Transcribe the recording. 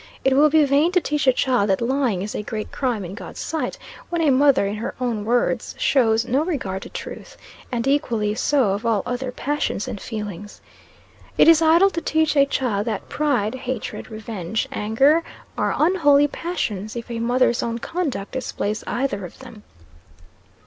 It will be vain to teach a child that lying is a great crime in God's sight, when a mother in her own words shows no regard to truth; and equally so of all other passions and feelings. It is idle to teach a child that pride hatred revenge anger, are unholy passions, if a mother's own conduct displays either of them.